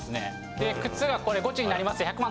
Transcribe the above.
で靴がこれ「ゴチになります」で１００万